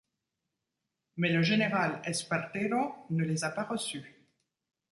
Mais le général Espartero ne les a pas reçus.